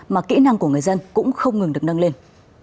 mà kỹ năng của người dân cũng không ngừng được nâng lên